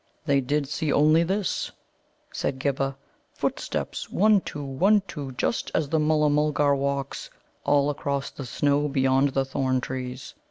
"They did see only this," said Ghibba: "footsteps one two, one two, just as the Mulla mulgar walks all across the snow beyond the thorn trees.